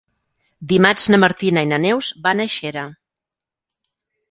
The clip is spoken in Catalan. Dimarts na Martina i na Neus van a Xera.